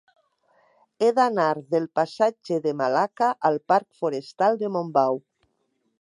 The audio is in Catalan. He d'anar del passatge de Malacca al parc Forestal de Montbau.